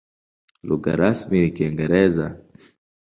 Lugha rasmi ni Kiingereza.